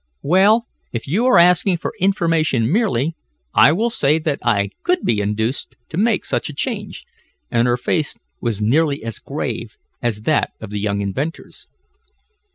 "Well, if you are asking for information, merely, I will say that I could be induced to make such a change," and her face was nearly as grave as that of the young inventor's.